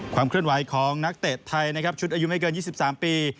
ความเคลื่อนไหวของนักเตะไทยนะครับชุดอายุไม่เกิน๒๓ปี